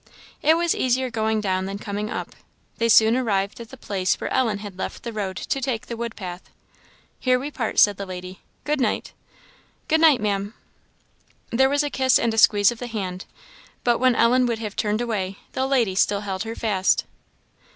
It was easier going down than coming up. They soon arrived at the place where Ellen had left the road to take the wood path. "Here we part," said the lady. "Good night!" "Good night, Maam." There was a kiss and a squeeze of the hand; but when Ellen would have turned away, the lady still held her fast.